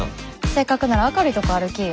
せっかくなら明るいとこ歩きーよ。